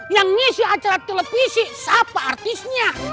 yang ngisi acara televisi siapa artisnya